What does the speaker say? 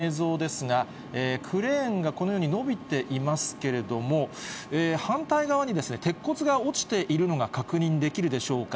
ヘリコプターからの映像ですが、クレーンがこのように伸びていますけれども、反対側に鉄骨が落ちているのが確認できるでしょうか。